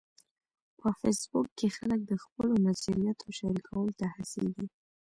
په فېسبوک کې خلک د خپلو نظریاتو شریکولو ته هڅیږي.